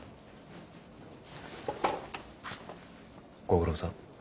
ご苦労さん。